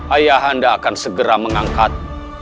ayah anda akan segera mengangkat